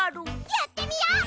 やってみよう！